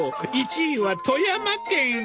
１位は富山県！